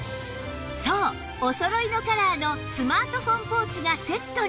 そうおそろいのカラーのスマートフォンポーチがセットに